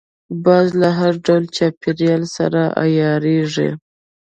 باز له هر ډول چاپېریال سره عیارېږي